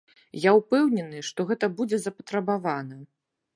Я ўпэўнены, што гэта будзе запатрабавана.